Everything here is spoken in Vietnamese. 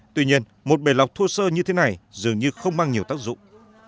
tuy nhiên một bể lọc thô sơ như thế này dường như không mang nhiều tác dụng